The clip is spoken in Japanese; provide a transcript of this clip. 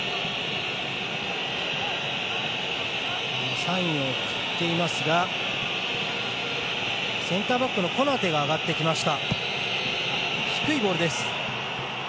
サインを送っていますがセンターバックのコナテが上がってきました。